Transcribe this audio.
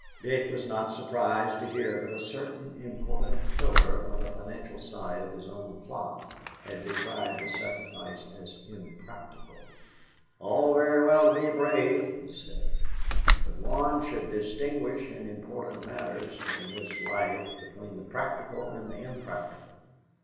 Dick was not surprised to hear that a certain important pillar on the financial side of his own flock had decried the sacrifice as "impractical." "All very well to be brave," he said, "but one should distinguish in important matters in this life between the practical and impractical.